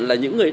là những người